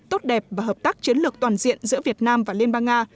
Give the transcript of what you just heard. tốt đẹp và hợp tác chiến lược toàn diện giữa việt nam và liên bang nga